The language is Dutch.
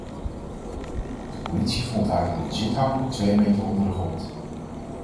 De politie vond haar in een zithouding twee meter onder de grond.